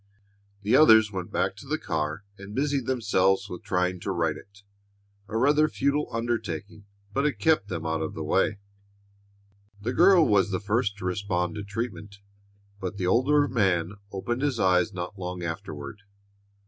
The others went back to the car and busied themselves with trying to right it a rather futile undertaking, but it kept them out of the way. The girl was the first to respond to treatment, but the older man opened his eyes not long afterward.